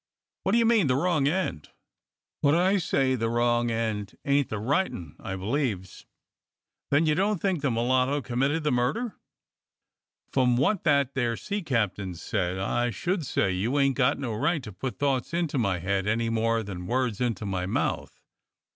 ^^" "What do you mean — the wrong end?' i» THE END OF THE INQUIRY 95 "What I say: the wrong end ain't the right 'un, I beHeves." "Then you don't think the mulatto committed the murder?" "From what that there sea captain said, I should say you ain't got no right to put thoughts into my head any more than words into my mouth."